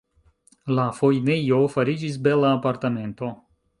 La fojnejo fariĝis bela apartamento.